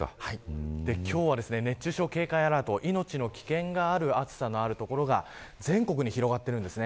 今日は熱中症警戒アラート命の危険がある暑さの所が全国に広がっています。